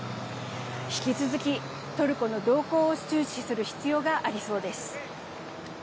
引き続きトルコの動向を注視する必要がありそうです。